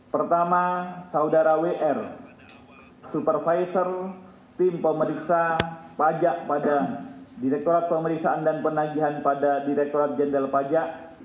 pertama saudara wr supervisor tim pemeriksa pajak pada direktorat pemeriksaan dan penagihan pada direktorat jenderal pajak